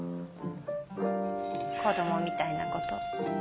・子どもみたいな事を。